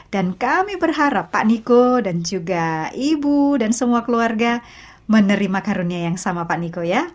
dan kami berharap pak niko dan juga ibu dan semua keluarga menerima karunia yang sama pak niko ya